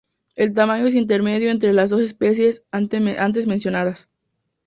El tamaño es intermedio entre las dos especies antes mencionadas.